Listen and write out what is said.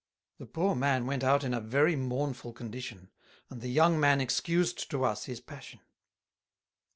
The Poor Man went out in a very mournful Condition, and the Young man excused to us his Passion.